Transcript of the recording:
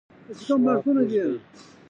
پښواک اوږد دی.